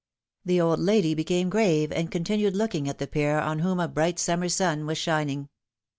The old lady became grave, and con tinued looking at the pair on whom a bright summer sun was shining.